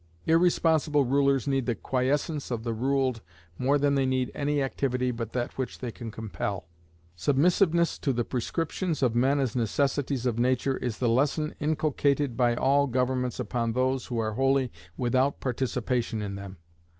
Irresponsible rulers need the quiescence of the ruled more than they need any activity but that which they can compel. Submissiveness to the prescriptions of men as necessities of nature is the lesson inculcated by all governments upon those who are wholly without participation in them.